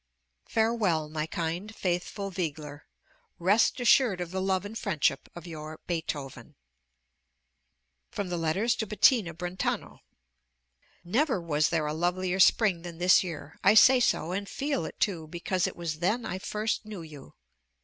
Farewell, my kind, faithful Wegeler! Rest assured of the love and friendship of your BEETHOVEN. FROM THE LETTERS TO BETTINA BRENTANO Never was there a lovelier spring than this year; I say so, and feel it too, because it was then I first knew you.